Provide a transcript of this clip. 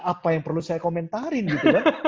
apa yang perlu saya komentarin gitu kan